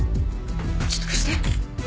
ちょっと貸して。